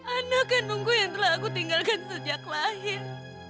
anak kanungku yang telah aku tinggalkan sejak lahir